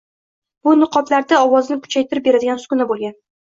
Bu niqoblarda ovozni kuchaytirib beradigan uskuna bo‘lgan.